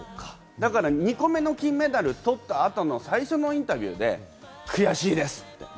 だから２個目の金メダル取った後の、最初のインタビューで悔しいですって。